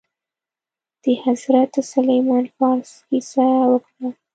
د حضرت سلمان فارس كيسه يې وكړه.